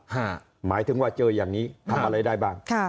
หมายถึงว่าเจออย่างนี้ทำอะไรได้บ้าง